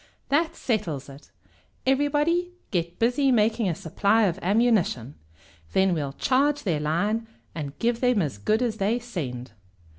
"That settles it. Everybody get busy making a supply of ammunition. Then we'll charge their line, and give them as good as they send!"